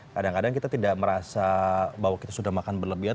kadang kadang kita tidak merasa bahwa kita sudah makan berlebihan